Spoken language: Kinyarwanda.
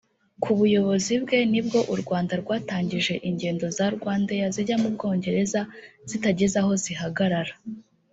Ku buyobozi bwe ni bwo u Rwanda rwatangije ingendo za Rwandair zijya mu Bwongereza zitagize aho zihagarara